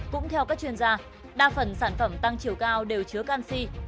cũng theo các chuyên gia đa phần sản phẩm tăng chiều cao đều chứa canxi